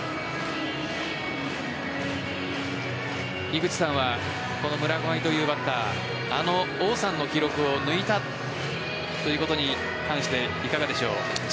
井口さんはこの村上というバッターあの王さんの記録を抜いたということに関していかがでしょうか？